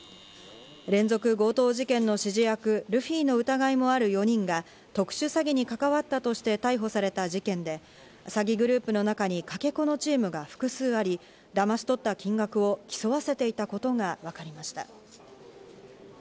連続強盗事件の指示役・ルフィの疑いもある４人が特殊詐欺に関わったとして逮捕された事件で詐欺グループの中にかけ子のチームが複数あり、だまし取った金額を競わせていたことがわかりました。